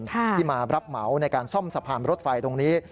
ที่มารับเหมาในการซ่อมสะพานรถไฟตรงนี้